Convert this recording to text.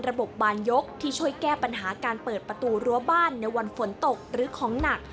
บานยกที่ช่วยแก้ปัญหาการเปิดประตูรั้วบ้านในวันฝนตกหรือของหนัก